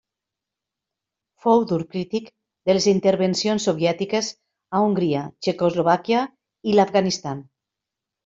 Fou dur crític de les intervencions soviètiques a Hongria, Txecoslovàquia i l'Afganistan.